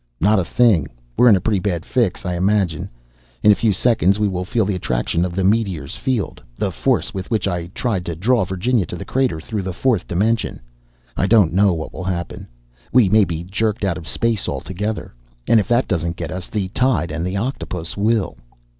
"Not a thing! We're in a pretty bad fix, I imagine. In a few seconds we will feel the attraction of the meteor's field the force with which I tried to draw Virginia to the crater through the fourth dimension. I don't know what will happen; we may be jerked out of space altogether. And if that doesn't get us, the tide and the octopus will!"